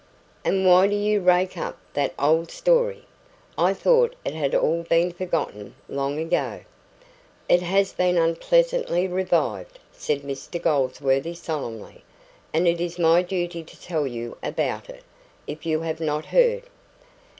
"And why do you rake up that old story? I thought it had all been forgotten long ago." "It has been unpleasantly revived," said Mr Goldsworthy solemnly. "And it is my duty to tell you about it, if you have not heard."